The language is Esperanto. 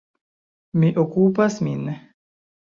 Mi okupas min.